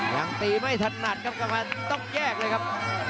จะตีไม่ทันตัดครับกำลังตกแยกเลยครับ